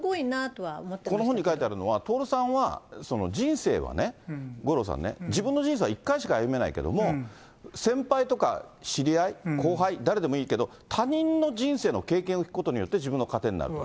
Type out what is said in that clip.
この本に書いてあるのは、徹さんは、人生はね、五郎さんね、自分の人生は１回しか歩めないけども、先輩とか、知り合い、後輩、誰でもいいけど、他人の人生の経験を聞くことによって、自分の糧になる。